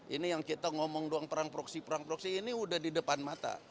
ini yang kita ngomong doang perang proksi perang proksi ini udah di depan mata